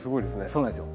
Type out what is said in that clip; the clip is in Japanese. そうなんですよ。